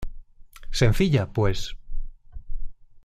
Sencilla, pues.